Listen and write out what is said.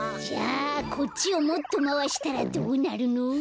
じゃこっちをもっとまわしたらどうなるの？